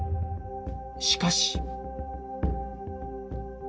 しかし